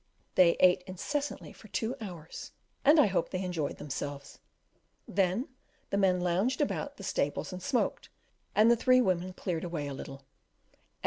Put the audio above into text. They ate incessantly for two hours and I hope they enjoyed themselves; then the men lounged about the stables and smoked, and the three women cleared away a little.